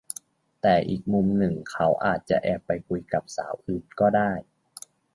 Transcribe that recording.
แต่อีกมุมหนึ่งเขาอาจจะแอบไปคุยกับสาวอื่นก็ได้